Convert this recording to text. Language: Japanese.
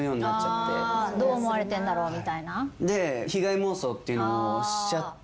どう思われてるんだろうみたいな？で被害妄想っていうのをしちゃって。